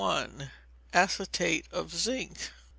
Acetate of Zinc.